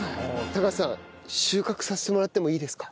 高橋さん収穫させてもらってもいいですか？